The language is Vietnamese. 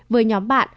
với nhóm bạn